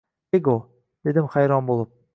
Chego?! – dedim hayron boʻlib.